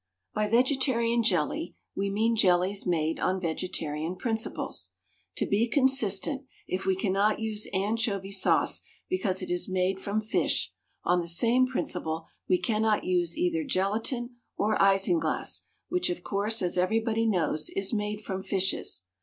By vegetarian jelly we mean jellies made on vegetarian principles. To be consistent, if we cannot use anchovy sauce because it is made from fish, on the same principle we cannot use either gelatine or isinglass, which, of course, as everybody knows, is made from fishes.